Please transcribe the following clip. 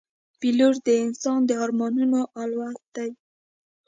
پیلوټ د انسان د ارمانونو الوت دی.